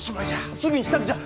すぐに支度じゃ！